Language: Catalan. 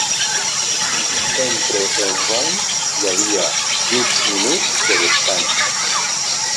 Entre els rounds hi havia mig minut de descans.